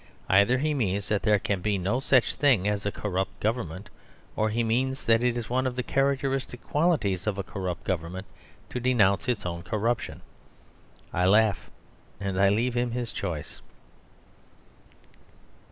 Either he means that there can be no such thing as a corrupt Government. Or he means that it is one of the characteristic qualities of a corrupt Government to denounce its own corruption. I laugh; and I leave him his choice.